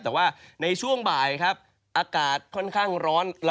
แต่ว่าในช่วงบ่ายนะครับอากาศค่อนข้างร้อนและอุ๊บนะครับ